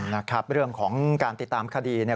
นะครับเรื่องของการติดตามคดี